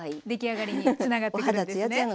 出来上がりにつながってくるんですね。